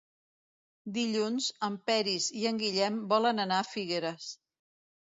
Dilluns en Peris i en Guillem volen anar a Figueres.